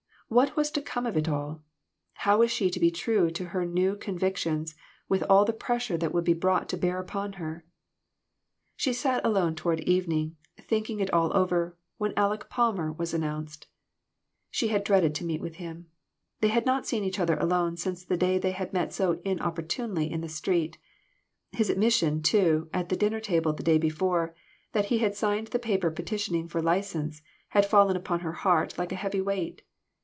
What was to come of it all ! How was she to be true to her new convictions with all the pressure that would be brought to bear upon her ? She sat alone toward evening, thinking it all over, when Aleck Palmer was announced. She had dreaded to meet him. They had not seen each other alone since the day they met so inop portunely in the street. His admission, too, at the dinner table the day before, that he had signed the paper petitioning for license, had fallen upon her heart like a heavy weight.